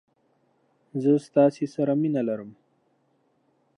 زه تاسې سره مينه ارم!